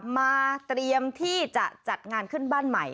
มาเตรียมที่จะจัดงานขึ้นบ้านใหม่